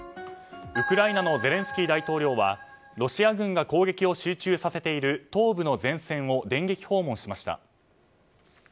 ウクライナのゼレンスキー大統領はロシア軍が攻撃を集中させている東部の前線を電撃訪問しました。